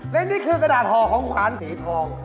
และนี่คือกระดาษห่อของขวานสีทอง